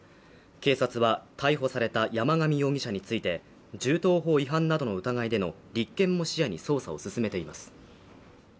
警察は逮捕された山上容疑者について銃刀法違反などの疑いでの立件も視野に捜査を進めています